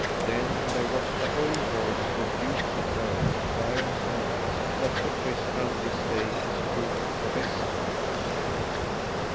Then there was the whole voice of dukes and earls, barons and knights, that Sir Tristram this day is proved the best knight.